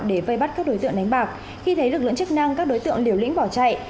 để vây bắt các đối tượng đánh bạc khi thấy lực lượng chức năng các đối tượng liều lĩnh bỏ chạy